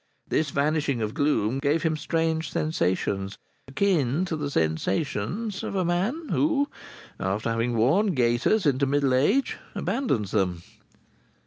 This vanishing of gloom gave him strange sensations, akin to the sensations of a man who, after having worn gaiters into middle age, abandons them.